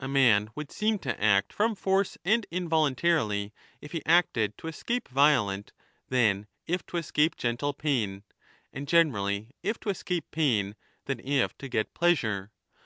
A man would more seem to act from force and involuntarily, if he acted to escape violent than if to escape gentle pain, and generally if to escape pain than 25 if to get pleasure.